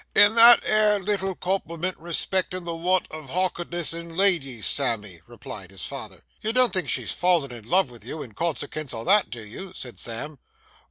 'In that 'ere little compliment respectin' the want of hock'erdness in ladies, Sammy,' replied his father. 'You don't think she's fallen in love with you in consekens o' that, do you?' said Sam.